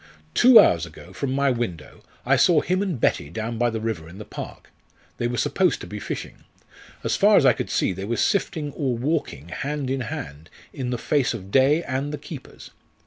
_ Two hours ago, from my window, I saw him and Betty down by the river in the park. They were supposed to be fishing. As far as I could see they were sifting or walking hand in hand, in the face of day and the keepers.